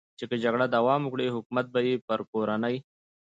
چې که جګړه دوام وکړي، حکومت به یې پر کورنۍ.